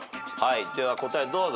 では答えどうぞ。